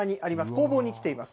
工房に来ています。